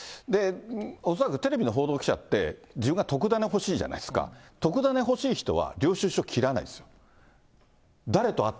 恐らく、テレビの報道記者って、自分が特ダネ欲しいじゃないですか、特ダネ欲しい人は領収書切らないですよ。